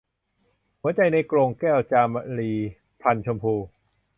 หัวใจในกรงแก้ว - จามรี พรรณชมพู